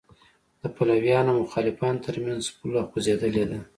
د پلویانو او مخالفانو تر منځ پوله خوځېدلې ده.